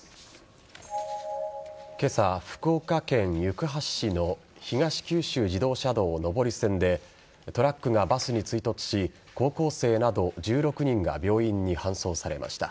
今朝、福岡県行橋市の東九州自動車道上り線でトラックがバスに追突し高校生など１６人が病院に搬送されました。